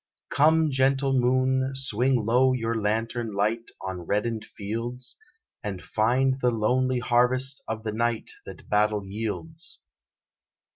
Come, gentle moon, swing low your lantern light On reddened fields, And find the lonely harvest of the night That battle yields.